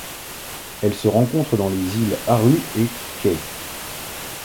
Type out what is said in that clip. Elle se rencontre dans les îles Aru et Kai.